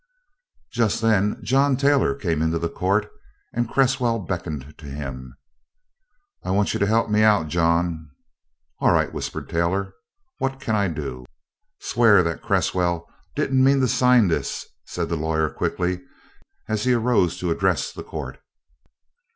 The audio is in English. Just then John Taylor came into the court, and Cresswell beckoned to him. "I want you to help me out, John." "All right," whispered Taylor. "What can I do?" "Swear that Cresswell didn't mean to sign this," said the lawyer quickly, as he arose to address the court.